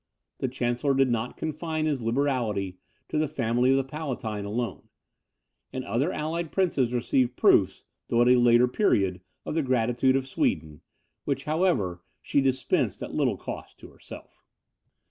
The Chancellor did not confine his liberality to the family of the Palatine alone; the other allied princes received proofs, though at a later period, of the gratitude of Sweden, which, however, she dispensed at little cost to herself.